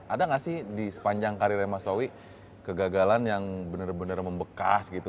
ada nggak sih di sepanjang karir mas owie kegagalan yang bener bener membekas gitu